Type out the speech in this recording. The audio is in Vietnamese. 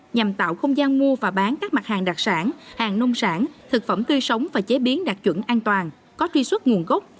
nhằm tạo không gian mua và bán các mặt hàng đặc sản hàng nông sản thực phẩm tươi sống và chế biến đạt chuẩn an toàn có truy xuất nguồn gốc